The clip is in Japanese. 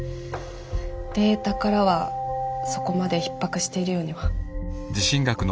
データからはそこまでひっ迫しているようには。